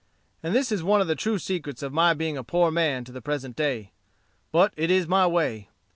And this is one of the true secrets of my being a poor man to the present day. But it is my way.